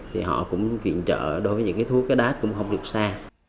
thì họ cũng viện trợ đối với những cái thuốc cái đát cũng không được xa